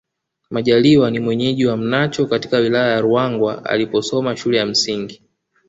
Majaliwa ni mwenyeji wa Mnacho katika Wilaya ya Ruangwa aliposoma shule ya msingi